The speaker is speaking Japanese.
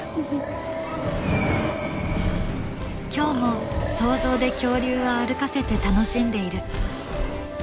今日も想像で恐竜を歩かせて楽しんでいる。